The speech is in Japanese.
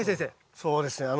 そうですね。